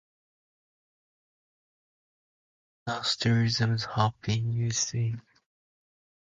Nasturtiums have been used in herbal medicine for their antiseptic and expectorant qualities.